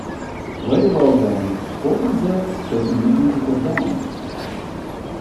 Very well then, what is it that you need me to track down?